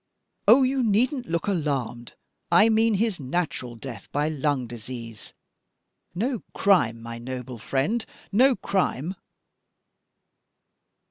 Oh, you needn't look alarmed! I mean his natural death by lung disease no crime, my noble friend! no crime!"